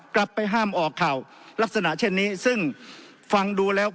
กลับไปห้ามออกข่าวลักษณะเช่นนี้ซึ่งฟังดูแล้ว